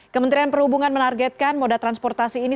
kementerian perhubungan menargetkan moda transportasi ini